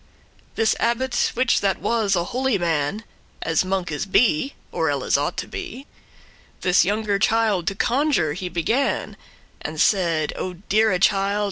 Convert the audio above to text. This abbot, which that was a holy man, As monkes be, or elles ought to be, This younger child to conjure he began, And said; "O deare child!